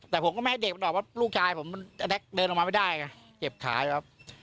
แต่ผมก็ไม่ให้เด็กบอกว่าลูกชายผมแทรกเดินลงมาไม่ได้แล้วเก็บขายครับ